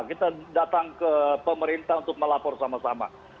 kita datang ke pemerintah untuk melapor sama sama